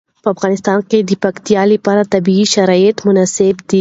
په افغانستان کې د پکتیکا لپاره طبیعي شرایط مناسب دي.